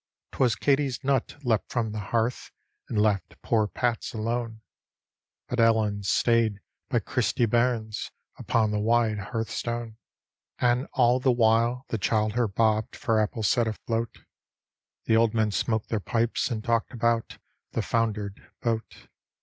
"Twas Katie's nut lepped from the hearth, and left poor Pat's alone But Ellen's stayed by Christy Byrne's upon the wide hearthstone. An' all the while the childher 1x*bcd for apples set afloat. The old men smoked their pipes and talked about the foundered boat.